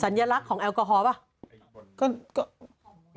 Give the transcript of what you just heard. ศัลยะรักของแอลกอฮอล์ไหม